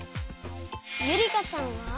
ゆりかさんは？